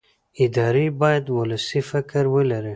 ادارې باید ولسي فکر ولري